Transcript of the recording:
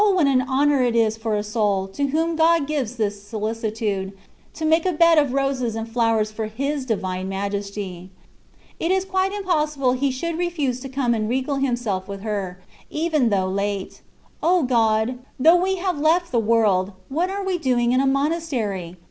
what an honour it is for a soul, to whom God gives this solicitude, to make a bed of roses and flowers for His Divine Majesty ! It is quite impossible He should refuse to come and regale Himself with her, even though late. O God ! though we have left the world, what are we doing in a monastery